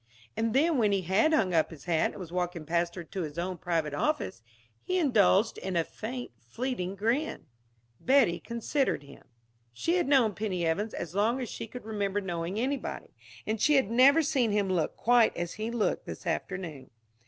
And then when he had hung up his hat and was walking past her to his own private office, he indulged in a faint, fleeting grin. Betty considered him. She had known Penny Evans as long as she could remember knowing anybody; and she had never seen him look quite as he looked this afternoon.